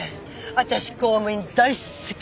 私公務員大好き。